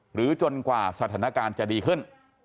จนกว่าสถานการณ์จะดีขึ้น